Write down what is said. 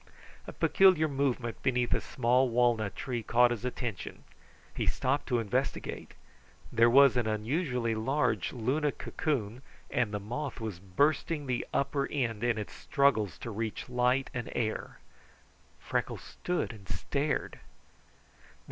A peculiar movement beneath a small walnut tree caught his attention. He stopped to investigate. There was an unusually large Luna cocoon, and the moth was bursting the upper end in its struggles to reach light and air. Freckles stood and stared.